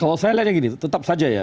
kalau saya lihatnya gini tetap saja ya